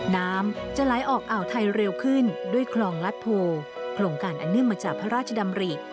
น้ำจะไหลออกอ่าวไทยเร็วขึ้นด้วยคลองรัฐโพโครงการอันเนื่องมาจากพระราชดำริ